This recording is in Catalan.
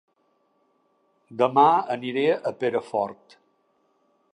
Dema aniré a Perafort